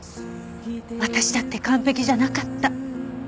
私だって完璧じゃなかった。